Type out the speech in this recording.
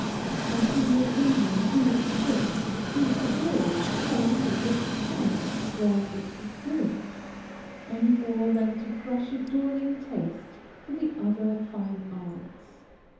I see no reason to restrict too severely talent of this kind where it exists, any more than to crush a dawning taste for the other fine arts.